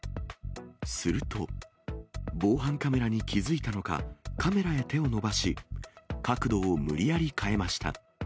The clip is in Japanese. すると、防犯カメラに気付いたのか、カメラへ手を伸ばし、角度を無理やり変えました。